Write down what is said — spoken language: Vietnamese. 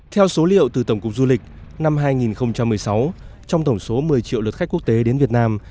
theo số liệu từ tổng cục du lịch năm hai nghìn một mươi sáu trong tổng số một mươi triệu lượt khách quốc tế đến việt nam